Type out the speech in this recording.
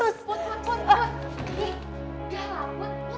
udah lah put